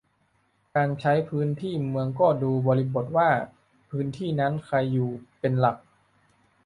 การใช้พื้นที่เมืองก็ดูบริบทว่าพื้นที่นั้นใครอยู่เป็นหลัก